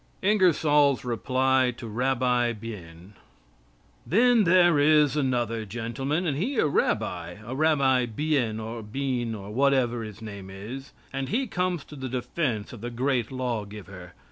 INGERSOLL'S REPLY TO RABBI BIEN Then there is another gentleman, and he a rabbi, a Rabbi Bien, or Bean, or whatever his name is, and he comes to the defense of the Great Law giver.